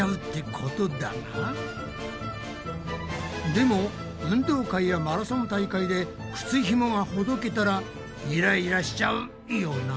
でも運動会やマラソン大会で靴ひもがほどけたらイライラしちゃうよな。